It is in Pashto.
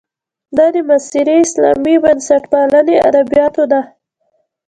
دا د معاصرې اسلامي بنسټپالنې ادبیاتو ده.